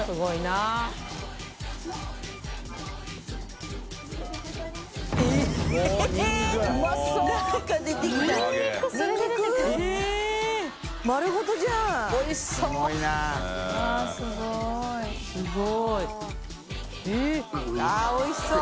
あっおいしそう！